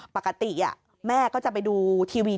ปกติแม่ก็จะไปดูทีวี